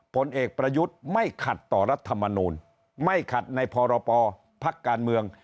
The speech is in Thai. ผลเอกประยุทธ์ไม่ขัดต่อรัฐมนูลไม่ขัดในพรปภักดิ์การเมือง